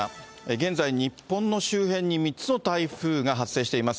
現在、日本の周辺に３つの台風が発生しています。